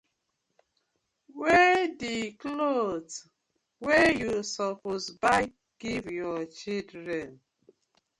Wey di clothe wey yu suppose buy giv yah children?